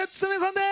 です